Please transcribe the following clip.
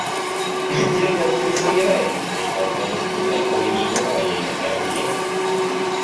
Моя делегация не сомневается, что есть возможность призывать к проведению параллельных мероприятий.